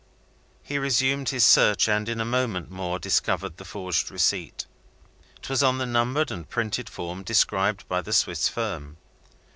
He resumed his search, and in a moment more discovered the forged receipt. It was on the numbered and printed form, described by the Swiss firm.